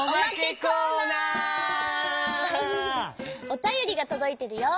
おたよりがとどいてるよ。